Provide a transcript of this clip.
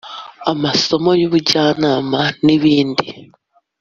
amasomo y’ubujyanama n’ibindi